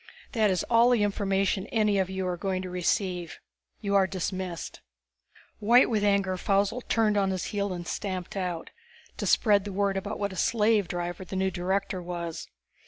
That is all the information any of you are going to receive. You are dismissed." White with anger, Faussel turned on his heel and stamped out to spread the word about what a slave driver the new director was.